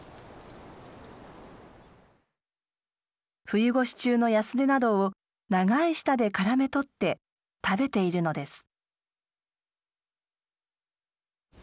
冬越し中のヤスデなどを長い舌でからめ捕って食べているのです。